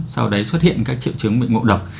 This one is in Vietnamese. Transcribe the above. sau đấy xuất hiện các triệu chứng bị ngộ độc